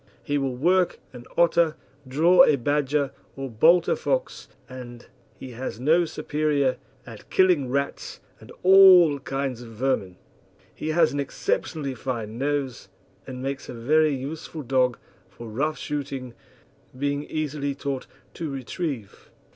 He will work an otter, draw a badger, or bolt a fox, and he has no superior at killing rats and all kinds of vermin. He has an exceptionally fine nose, and makes a very useful dog for rough shooting, being easily taught to retrieve.